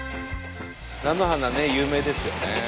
菜の花ね有名ですよね。